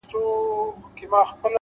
پوهه د غوره راتلونکي رڼا ده’